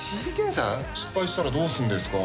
失敗したらどうするんですか。